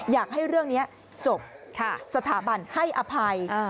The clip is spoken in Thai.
อยากให้เรื่องนี้จบสถาบันให้อภัย